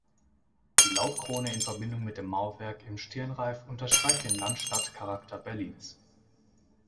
Die Laubkrone in Verbindung mit dem Mauerwerk im Stirnreif unterstreicht den Land-Stadt-Charakter Berlins.